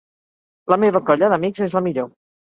La meva colla d'amics és la millor.